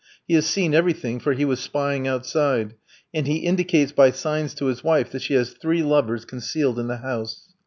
He has seen everything, for he was spying outside; and he indicates by signs to his wife that she has three lovers concealed in the house.